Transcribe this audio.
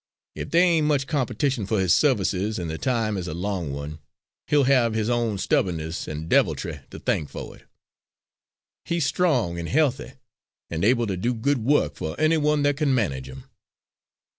Ef there ain't much competition for his services and the time is a long one, he'll have his own stubbornness an' deviltry to thank for it. He's strong and healthy and able to do good work for any one that can manage him."